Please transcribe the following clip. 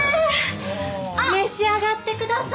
召し上がってください。